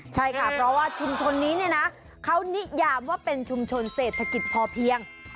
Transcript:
ใช่ค่ะเพราะว่าชุมชนนี้เนี่ยนะเขานิยามว่าเป็นชุมชนเศรษฐกิจพอเพียง